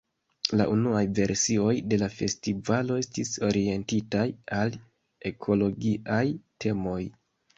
La unuaj versioj de la festivalo estis orientitaj al ekologiaj temoj.